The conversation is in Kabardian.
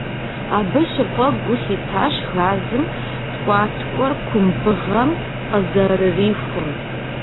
Абы щыгъуэ гу лъитащ газым ткIуаткIуэр кумбыгъэм къызэрырихум.